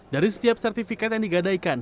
dari setiap sertifikat yang digadaikan